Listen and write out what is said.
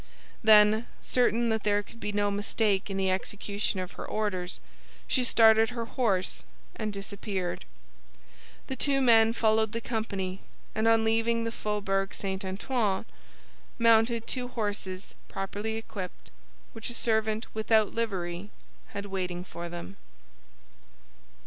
Then, certain that there could be no mistake in the execution of her orders, she started her horse and disappeared. The two men followed the company, and on leaving the Faubourg St. Antoine, mounted two horses properly equipped, which a servant without livery had waiting for them.